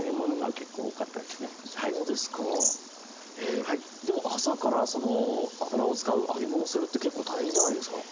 えでも朝から油を使う揚げ物をするって結構大変じゃないですか？